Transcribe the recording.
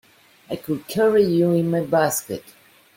I could carry you in my basket.